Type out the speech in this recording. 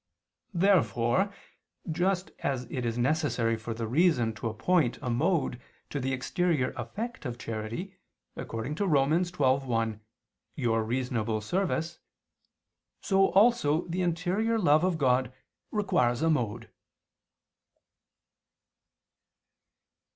Therefore just as it is necessary for the reason to appoint a mode to the exterior effect of charity, according to Rom. 12:1: "Your reasonable service," so also the interior love of God requires a mode.